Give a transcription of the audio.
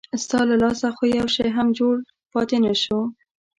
ستا له لاسه خو یو شی هم جوړ پاتې نه شو.